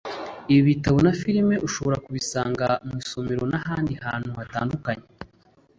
Ibi bitabo na film ushobora kubisanga mu masomero n’ahandi hantu hatandukanye